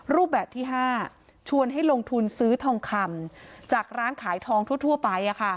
รูปแบบที่๕ชวนให้ลงทุนซื้อทองคำจากร้านขายทองทั่วไป